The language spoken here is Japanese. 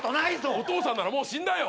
お父さんならもう死んだよ！